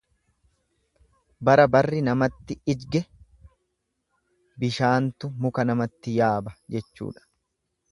Bara barri namatti ijge, bishaantu muka namatti yaaba jechuudha.